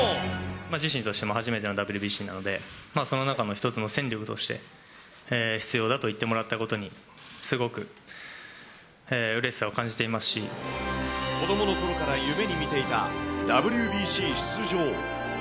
自身としても初めてのＷＢＣなので、その中の一つの戦力として、必要だと言ってもらったことに、子どものころから夢にみていたＷＢＣ出場。